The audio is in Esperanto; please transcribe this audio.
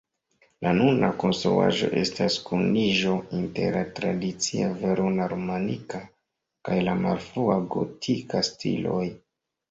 La nuna konstruaĵo estas kuniĝo inter la tradicia verona-romanika kaj la malfrua gotika stiloj.